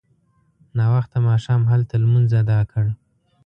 ناوخته ماښام هلته لمونځ اداء کړ.